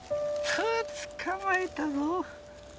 あつかまえたぞ。